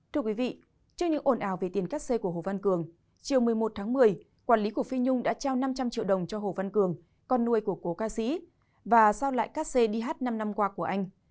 trước những ổn ảo về tiền cắt xe của hồ văn cường chiều một mươi một tháng một mươi quản lý của phi nhung đã trao năm trăm linh triệu đồng cho hồ văn cường con nuôi của cổ ca sĩ và giao lại cắt xe dh năm năm qua của anh